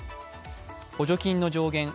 補助金の上限